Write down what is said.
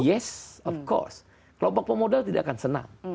yes of course kelompok pemodal tidak akan senang